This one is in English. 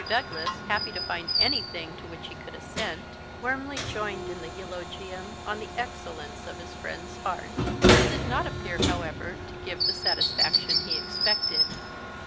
Douglas, happy to find anything to which he could assent, warmly joined in the eulogium on the excellence of his friend's heart. It did not appear, however, to give the satisfaction he expected.